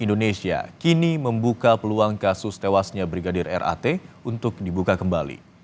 indonesia kini membuka peluang kasus tewasnya brigadir rat untuk dibuka kembali